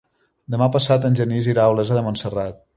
Demà passat en Genís irà a Olesa de Montserrat.